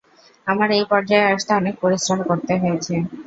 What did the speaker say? আমায় এই পর্যায়ে আসতে অনেক পরিশ্রম করতে হয়েছে।